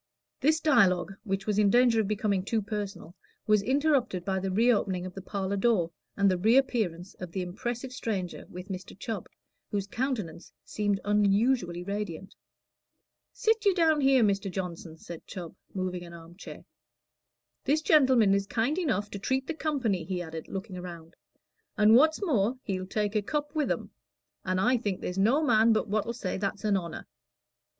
This dialogue, which was in danger of becoming too personal, was interrupted by the reopening of the parlor door, and the reappearance of the impressive stranger with Mr. Chubb, whose countenance seemed unusually radiant. "Sit you down here, Mr. Johnson," said Chubb, moving an arm chair. "This gentleman is kind enough to treat the company," he added, looking round, "and what's more, he'll take a cup with 'em; and I think there's no man but what'll say that's a honor."